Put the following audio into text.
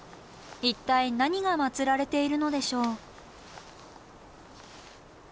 一体何が祭られているのでしょう。